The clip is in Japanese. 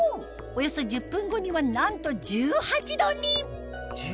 およそ１０分後にはなんと１８℃に！